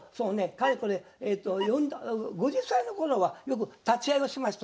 かれこれ５０歳の頃はよく立会をしました。